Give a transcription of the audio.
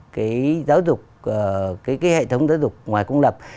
cái giáo dục cái hệ thống giáo dục ngoài công lập